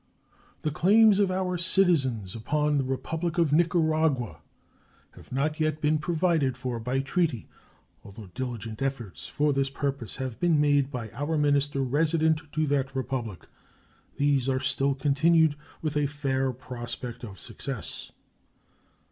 The claims of our citizens upon the Republic of Nicaragua have not yet been provided for by treaty, although diligent efforts for this purpose have been made by our minister resident to that Republic. These are still continued, with a fair prospect of success.